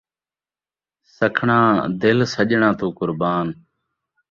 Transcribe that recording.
سکھڑاں دل سڄݨاں توں قربان